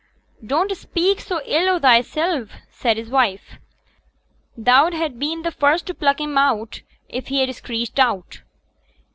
'Don't speak so ill o' thysel',' said his wife. 'Thou'd ha' been t' first t' pluck him down if he'd screeched out.'